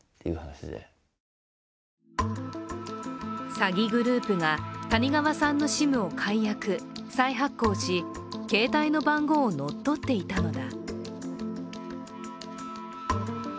詐欺グループが谷川さんのＳＩＭを解約・再発行し携帯の番号を乗っ取っていたのだ。